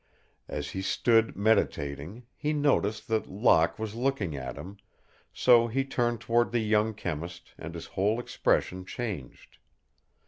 As he stood meditating he noticed that Locke was looking at him, so he turned toward the young chemist and his whole expression changed.